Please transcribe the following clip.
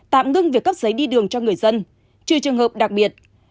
tạm ngưng việc cấp giấy đi đường cho người dân trừ trường hợp đặc biệt